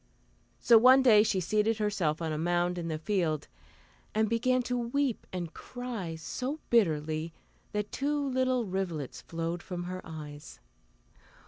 So one day she seated herself on a mound in the field, and began to weep and cry so bitterly that two little rivulets flowed from her eyes.